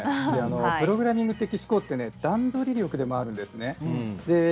プログラム的思考って段取り力でもあるんですよね。